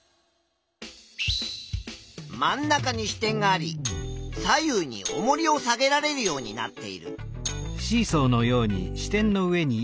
真ん中に支点があり左右におもりを下げられるようになっている。